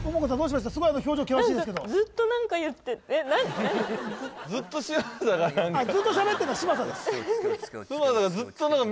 すごい表情険しいですけどずっと嶋佐が何かずっとしゃべってるの嶋佐です